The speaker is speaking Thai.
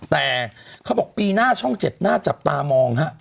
แต่เขาบอกปีหน้าช่อง๗น่าจับตามองฮะ